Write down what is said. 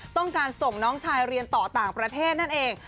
ต้องการส่งน้องชายเรียนต่อต่างประเทศนั่นเอง